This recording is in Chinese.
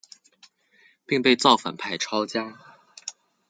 并被造反派抄家。